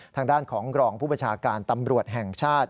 ทางด้านของรองผู้ประชาการตำรวจแห่งชาติ